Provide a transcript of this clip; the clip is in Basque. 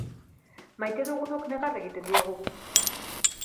Maite dugunok negar egiten diogu.